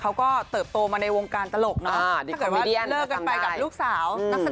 เขาก็เติบโตมาในวงการตลกเนอะ